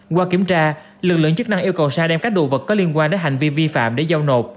qua kiểm tra lực lượng chức năng yêu cầu sa đem các đồ vật có liên quan đến hành vi vi phạm để giao nộp